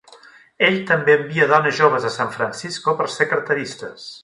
Ell també envia dones joves a San Francisco per ser carteristes.